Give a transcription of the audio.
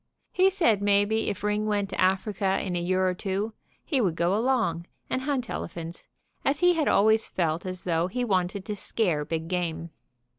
He said maybe if Ring went to Africa in a year or two he would go along and hunt elephants, as he had always felt as though he wanted to scare big game.